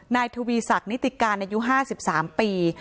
นายทวีศักดิติการอายุ๕๓ปี